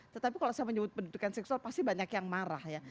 tetapi kalau saya menyebut pendidikan seksual pasti banyak yang marah ya